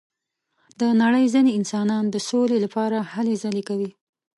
د نړۍ ځینې انسانان د سولې لپاره هلې ځلې کوي.